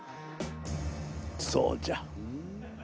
そうじゃ。